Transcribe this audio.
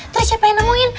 tuh siapa yang nemuin